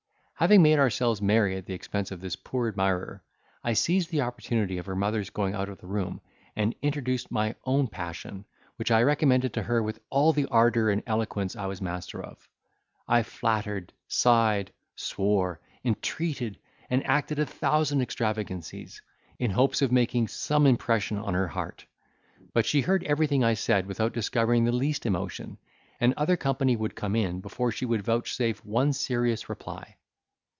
Having made ourselves merry at the expense of this poor admirer, I seized the opportunity of her mother's going out of the room, and introduced my own passion, which I recommended to her with all the ardour and eloquence I was master of. I flattered, sighed, swore, entreated, and acted a thousand extravagancies, in hopes of making some impression on her heart; but she heard everything I said without discovering the least emotion; and other company came in before she would vouchsafe one serious reply.